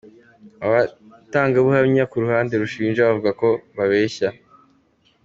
Abatangabuhamya ku ruhande rushinja bavuga ko abeshya.